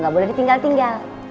gak boleh ditinggal tinggal